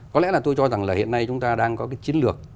có lẽ là tôi cho rằng là hiện nay chúng ta đang có cái chiến lược